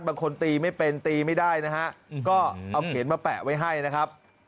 บางทีตีไม่เป็นตีไม่ได้นะฮะก็เอาเข็นมาแปะไว้ให้นะครับ